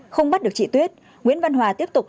không bắt được chị tuyết nguyễn văn hòa tiếp tục